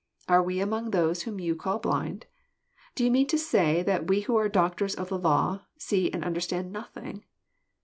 Are we among those whom you call blind? D6 you mean to say that we who are doctors of the law, see and understand nothing?"